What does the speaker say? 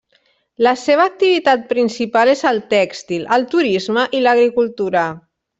La seva activitat principal és el tèxtil, el turisme i l'agricultura.